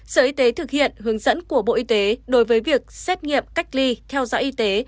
sở y tế thực hiện hướng dẫn của bộ y tế đối với việc xét nghiệm cách ly theo dõi y tế